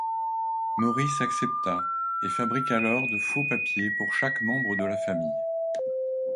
Maurice accepta et fabrique alors de faux papiers pour chaque membre de la famille.